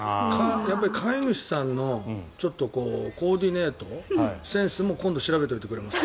飼い主さんのコーディネートセンスも今度、調べておいてくれます？